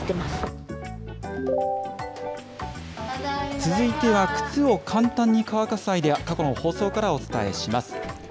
続いては靴を簡単に乾かすアイデア、過去の放送からお伝えします。